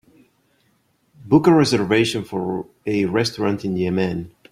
Book a reservation for a restaurant in Yemen